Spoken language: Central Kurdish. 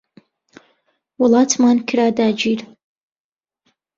وڵاتمان کرا داگیر